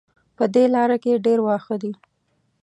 په دې لاره کې ډېر واښه دي